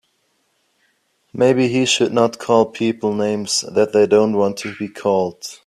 Maybe he should not call people names that they don't want to be called.